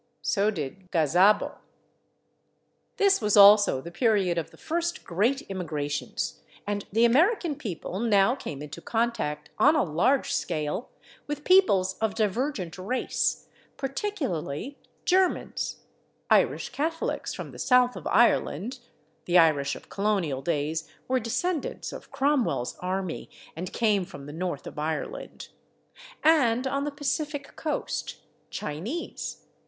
So did /gazabo/. This was also the period of the first great immigrations, and the American people now came into contact, on a large scale, with peoples of divergent race, particularly Germans, Irish Catholics from the South of Ireland (the Irish of colonial days "were descendants of Cromwell's army, and came from the North of Ireland"), and, on the Pacific Coast, Chinese.